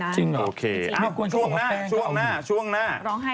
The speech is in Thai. ช่วงหน้าช่วงหน้า